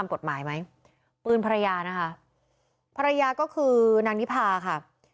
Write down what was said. ปืนภรรยานะคะภรรยาก็คือนักนิพาค่ะ